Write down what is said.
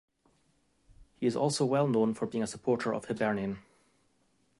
He is also well known for being a supporter of Hibernian.